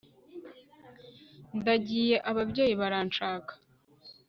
ndagiye ababyeyi baranshaka